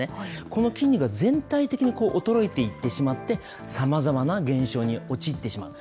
この筋肉が全体的に衰えていってしまって、さまざまな現象に陥ってしまう。